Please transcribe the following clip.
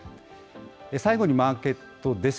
最後にマーケットです。